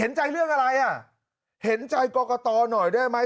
เห็นใจเรื่องอะไรอ่ะเห็นใจกรกตหน่อยได้ไหม